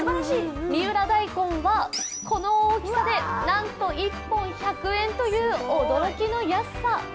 三浦大根はこの大きさでなんと１本１００円という驚きの安さ。